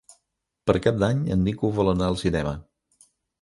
Per Cap d'Any en Nico vol anar al cinema.